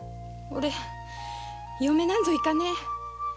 オレ嫁になんぞいかねえ